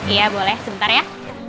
iya boleh sebentar ya